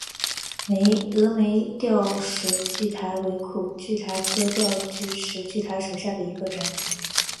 峨眉吊石苣苔为苦苣苔科吊石苣苔属下的一个种。